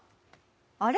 あれ？